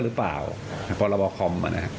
หรือเปล่าพรบคอม